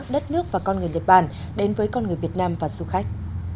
đất nước và con người nhật bản đến với con người việt nam và du khách